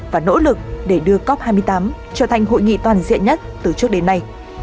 và nỗ lực để đưa cop hai mươi tám trở thành hội nghị toàn diện nhất từ trước đến nay